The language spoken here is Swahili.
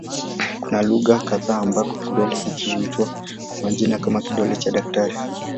Kuna lugha kadha ambako kidole hiki huitwa kwa majina kama "kidole cha daktari".